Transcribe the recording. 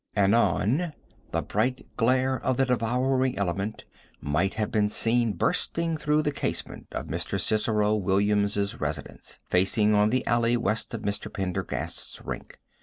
Anon the bright glare of the devouring element might have been seen bursting through the casement of Mr. Cicero Williams's residence, facing on the alley west of Mr. Pendergast's rink.